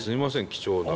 貴重な。